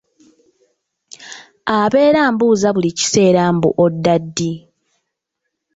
Abeera ambuuza buli kiseera mbu odda ddi?